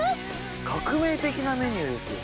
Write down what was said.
革命的なメニューですよ。